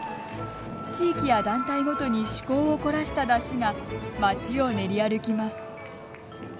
地域や団体ごとに趣向を凝らした山車が町を練り歩きます。